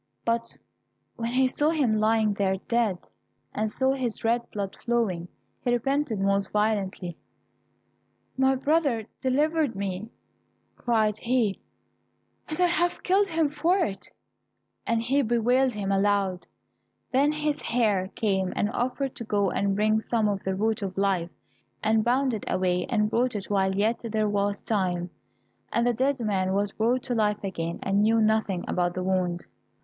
But when he saw him lying there dead, and saw his red blood flowing, he repented most violently: "My brother delivered me," cried he, "and I have killed him for it," and he bewailed him aloud. Then his hare came and offered to go and bring some of the root of life, and bounded away and brought it while yet there was time, and the dead man was brought to life again, and knew nothing about the wound.